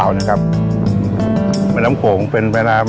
มีที่มาที่ไปยังไงบ้างคะ